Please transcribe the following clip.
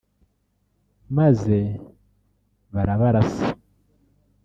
maze barabarasa